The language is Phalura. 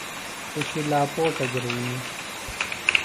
پُشیۡ لاپوٹہ گِرئنی۔